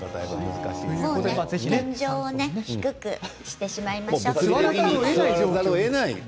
天井を低くしてしまいましょう。